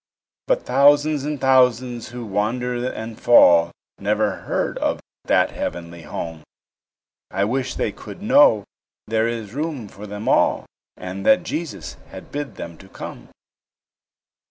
But thousands and thousands who wander and fall, Never heard of that heavenly home; I wish they could know there is room for them all, And that Jesus has bid them to come.